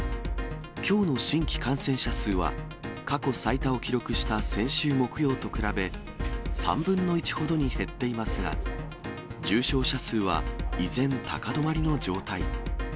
きょうの新規感染者数は、過去最多を記録した先週木曜と比べ、３分の１ほどに減っていますが、重症者数は依然、高止まりの状態。